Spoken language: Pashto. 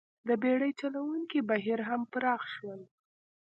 د بېړۍ چلونې بهیر هم پراخ شول.